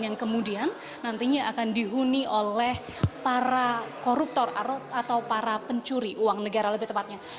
yang kemudian nantinya akan dihuni oleh para koruptor atau para pencuri uang negara lebih tepatnya